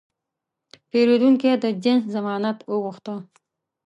پیرودونکی د جنس ضمانت وغوښته.